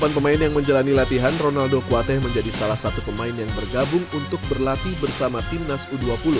delapan pemain yang menjalani latihan ronaldo kuateh menjadi salah satu pemain yang bergabung untuk berlatih bersama timnas u dua puluh